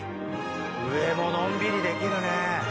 上ものんびりできるねえ。